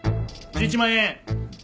１１万円。